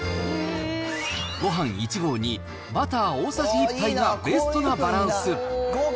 ごはん１合にバター大さじ１杯がベストなバランス。